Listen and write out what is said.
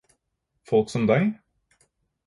Folk som deg!